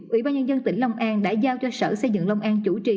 ủy ban nhân dân tỉnh long an đã giao cho sở xây dựng long an chủ trì